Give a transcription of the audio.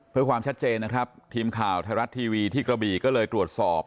เพื่อความชัดเจนนะครับทีมข่าวไทยรัฐทีวีที่กระบี่ก็เลยตรวจสอบ